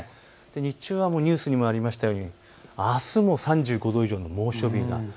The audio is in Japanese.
日中はニュースにもありましたようにあすも３５度以上の猛暑日になる。